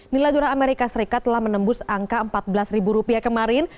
nilai dona amerika serikat telah menembus angka empat belas rupiah kemarin